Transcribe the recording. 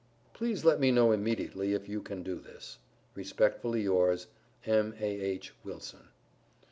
Please let me know immediately if you can do this. Respectfully yours, M.A.H. WILSON.